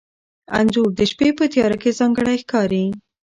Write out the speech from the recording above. انځور د شپې په تیاره کې ځانګړی ښکاري.